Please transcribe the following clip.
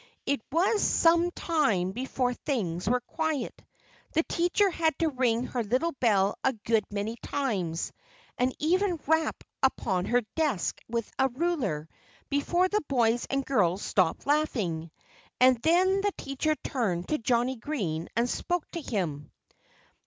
It was some time before things were quiet. The teacher had to ring her little bell a good many times, and even rap upon her desk with a ruler, before the boys and girls stopped laughing. And then the teacher turned to Johnnie Green and spoke to him.